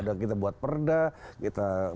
sudah kita buat perda kita